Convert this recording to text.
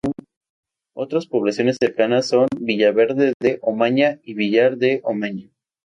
Otras poblaciones cercanas son Villaverde de Omaña y Villar de Omaña.